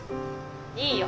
いいよ